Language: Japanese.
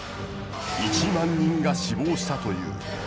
一万人が死亡したという。